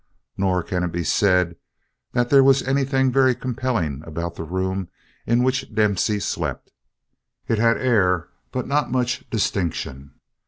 Nor can it be said that there was anything very compelling about the room in which Dempsey slept. It had air but not much distinction.